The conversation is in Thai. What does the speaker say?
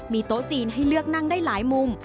มีโต๊ะจีนให้เลือกนั่งได้หลายมุม